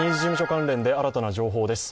関連で、新たな情報です。